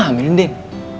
lo hamil ya din